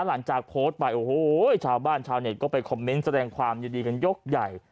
หลังจากโพสต์ไปโอ้โหชาวบ้านชาวเน็ตก็ไปคอมเมนต์แสดงความยินดีกันยกใหญ่